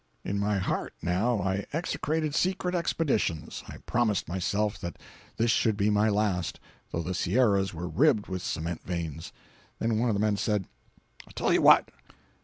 In my heart, now, I execrated secret expeditions. I promised myself that this should be my last, though the Sierras were ribbed with cement veins. Then one of the men said: "I'll tell you what!